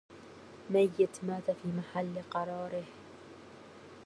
ميت مات في محل قراره